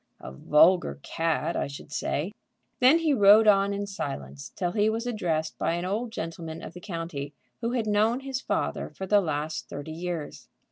"A vulgar cad, I should say." Then he rode on in silence till he was addressed by an old gentleman of the county who had known his father for the last thirty years.